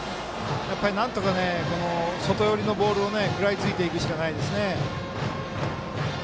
なんとか外寄りのボールを食らいついていくしかないですね。